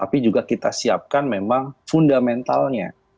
tapi juga kita siapkan memang fundamentalnya